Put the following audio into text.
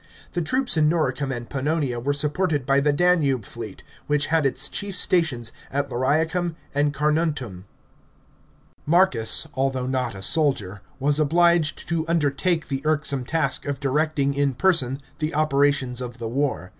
The troops in Noricum and Pannonia were supported by the Danube fleet, which had its chief stations at Lauriacum and Carnuntum. § 12. Marcus, although not a soldier, was obliged to undertake the irksome task of directing in person the operations of the war.